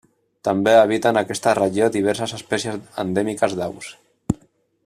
També habiten aquesta regió diverses espècies endèmiques d'aus.